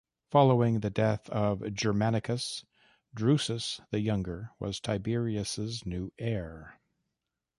Following the death of Germanicus, Drusus the Younger was Tiberius' new heir.